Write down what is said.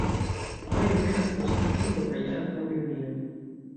Majo venas post aprilo kaj antaŭ junio.